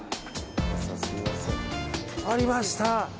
ありました！